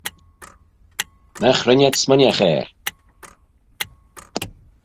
Nagh ren ad smooinaght er.